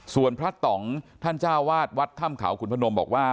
ส่วนพระต่องท่านเจ้าวาดวัดถ้ำเขาขุนพนมบอกว่า